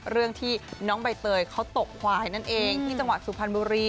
เรื่องที่น้องใบเตยเขาตกควายนั่นเองที่จังหวัดสุพรรณบุรี